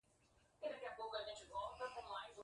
A continuação da peça foi adiada por tempo indeterminado.